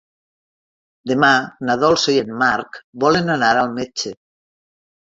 Demà na Dolça i en Marc volen anar al metge.